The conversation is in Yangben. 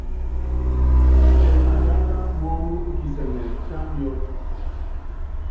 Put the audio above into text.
Tɛ atiáka muɔ́nu u kisɛŋɛ, tá miɔ́t.